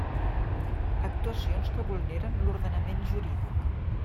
Actuacions que vulneren l'ordenament jurídic.